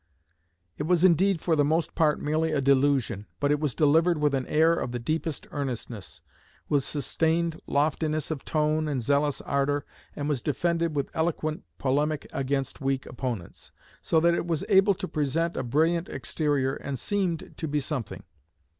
It was indeed for the most part merely a delusion, but it was delivered with an air of the deepest earnestness, with sustained loftiness of tone and zealous ardour, and was defended with eloquent polemic against weak opponents, so that it was able to present a brilliant exterior and seemed to be something.